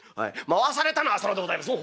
回されたのは浅野でございます。